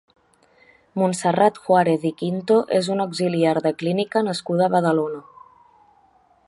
Montserrat Juárez i Quinto és una auxiliar de clínica nascuda a Badalona.